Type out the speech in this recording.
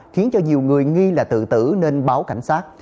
khiến cho nhiều người nghi là tự tử nên báo cảnh sát